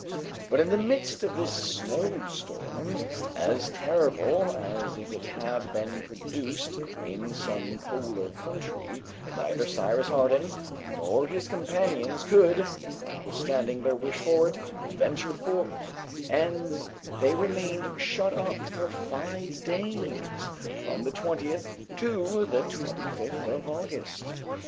But in the midst of this snow storm, as terrible as if it had been produced in some polar country, neither Cyrus Harding nor his companions could, notwithstanding their wish for it, venture forth, and they remained shut up for five days, from the 20th to the 25th of August.